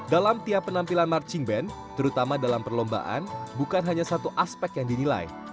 dalam tiap penampilan marching band terutama dalam perlombaan bukan hanya satu aspek yang dinilai